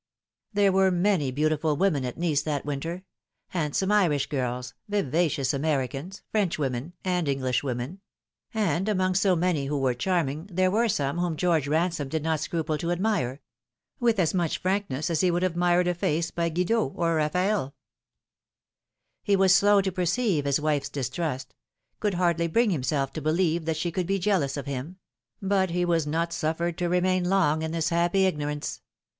There were many beautiful women at Nice that winter : handsome Irish girls, vivacious Americans, Frenchwomen, and Englishwomen ; and among so many who were charming there were some whom George Bansome did not scruple to admire, with as much frankness as he would have admired a face by Guido or Raffaelle. He was slow to perceive his wife's distrust, could hardly bring himself to believe that she could be jealous of him ; but he was not suffered to remain" long in this happy ignorance.